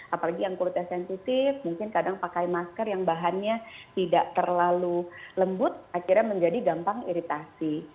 apalagi yang kulitnya sensitif mungkin kadang pakai masker yang bahannya tidak terlalu lembut akhirnya menjadi gampang iritasi